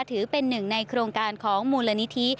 ถือเป็นหนึ่งในโครงการของมูลนิธิ